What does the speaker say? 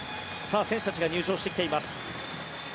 選手たちが入場してきています。